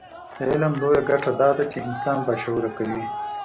علم لویه ګټه دا ده چې انسان باشعوره کوي.